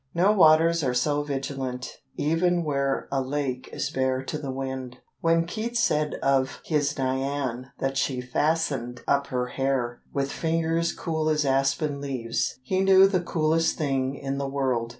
No waters are so vigilant, even where a lake is bare to the wind. When Keats said of his Dian that she fastened up her hair "with fingers cool as aspen leaves," he knew the coolest thing in the world.